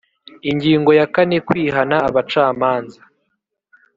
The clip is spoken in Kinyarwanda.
Ingingo ya kane Kwihana abacamanza